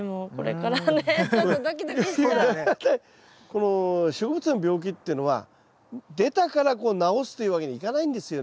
この植物の病気っていうのは出たから治すというわけにいかないんですよね。